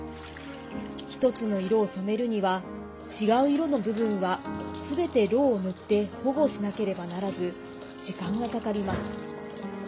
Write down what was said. １つの色を染めるには違う色の部分はすべて、ろうを塗って保護しなければならず時間がかかります。